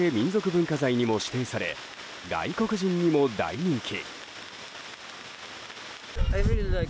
文化財にも指定され、外国人にも大人気。